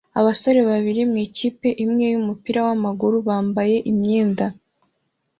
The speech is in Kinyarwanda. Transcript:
Abasore babiri mu ikipe imwe yumupira wamaguru bambaye imyenda